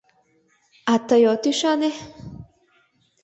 — А тый от ӱшане...